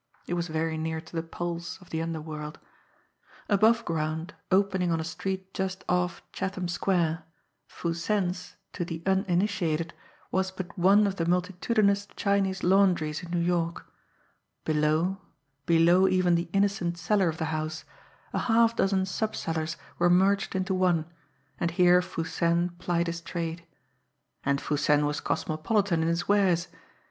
It was very near to the pulse of the underworld. Above ground, opening on a street just off Chatham Square, Foo Sen's, to the uninitiated, was but one of the multitudinous Chinese laundries in New York; below, below even the innocent cellar of the house, a half dozen sub cellars were merged into one, and here Foo Sen plied his trade. And Foo Sen was cosmopolitan in his wares!